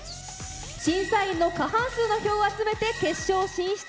審査員の過半数の票を集めて決勝進出。